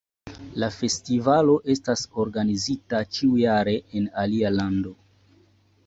La festivalo estas organizita ĉiujare en alia lando.